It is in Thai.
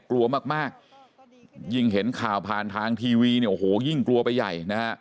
กลัวมากมากยิ่งเห็นข่าวผ่านทางทีวีเนี่ยโอ้โหยิ่งกลัวไปใหญ่นะฮะ